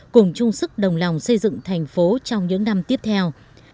cùng chung sức đồng lòng xây dựng thành phố trong những năm tiếp theo